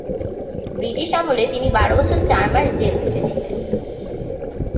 British আমলে তিনি বারো বছর চার মাস জেল খেটেছিলেন।